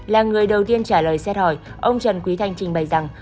là người đầu tiên trả lời xét hỏi ông trần quý thanh trình bày rằng